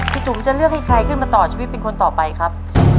จุ๋มจะเลือกให้ใครขึ้นมาต่อชีวิตเป็นคนต่อไปครับ